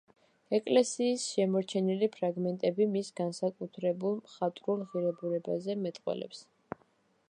ეკლესიის შემორჩენილი ფრაგმენტები მის განსაკუთრებულ მხატვრულ ღირებულებაზე მეტყველებს.